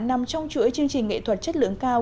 nằm trong chuỗi chương trình nghệ thuật chất lượng cao